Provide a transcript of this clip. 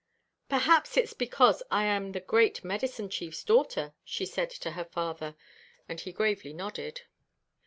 "Perhaps it's because I am the great Medicine Chief's daughter," she said to her father; and he gravely nodded.